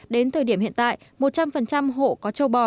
đến thời điểm hiện tại một trăm linh hộ có châu bò